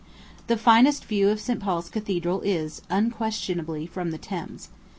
The finest view of St. Paul's Cathedral is, unquestionably, from the Thames.